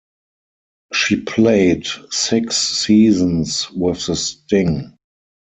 She played six seasons with the Sting.